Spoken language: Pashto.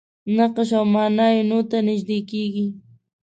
نقش او معنا یې نو ته نژدې کېږي.